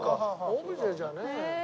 オブジェじゃねえ。